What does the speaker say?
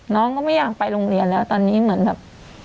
น้องก็ไม่อยากไปโรงเรียนแล้วตอนนี้เหมือนแบบ